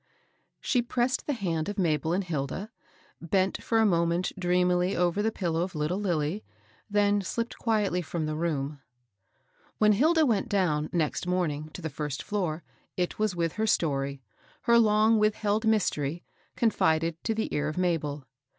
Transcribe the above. She pressed the hand of Mabel and Hilda, bent for a moment dreamily over the pillow of little Lilly, then slipped quietly from the room« 408 MABEL BOBS. When Hilda went down, next morning, to tlw first floor, it was with her story — her long with held mystery, — confided to the ear of Mabel.